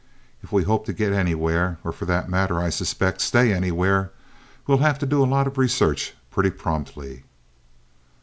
If we hope to get anywhere, or for that matter, I suspect, stay anywhere, we'll have to do a lot of research pretty promptly."